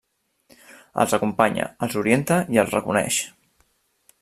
Els acompanya, els orienta i els reconeix.